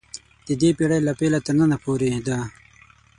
د دې پېړۍ له پیله تر ننه پورې ده.